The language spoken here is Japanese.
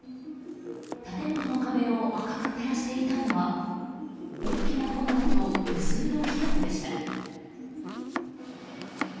建物の壁を赤く照らしていたのは大きな炎と無数の火の粉でした。